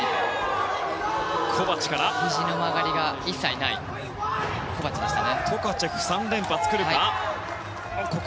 ひじの曲がりが一切ないコバチでした。